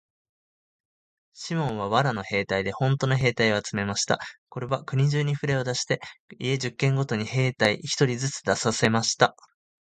シモンは藁の兵隊でほんとの兵隊を集めました。かれは国中にふれを出して、家十軒ごとに兵隊一人ずつ出させました。